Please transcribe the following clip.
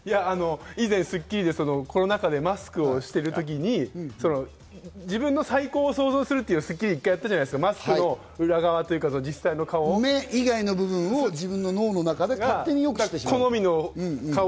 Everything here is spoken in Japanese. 以前『スッキリ』でコロナ禍でマスクをしている時に自分の最高を想像するって１回やったじゃないですか、マスクの裏目以外の部分を自分の脳の中で勝手に良くしてしまうと。